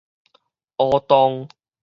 烏洞